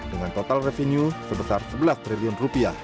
dengan total revenue sebesar rp sebelas triliun